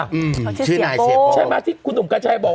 เขาชื่อนายเสียโป้ใช่ไหมที่คุณหนุ่มกัญชัยบอก